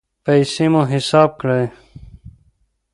پیسې مو حساب کړئ